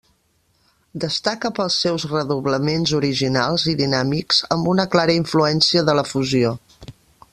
Destaca pels seus redoblaments originals i dinàmics amb una clara influència de la fusió.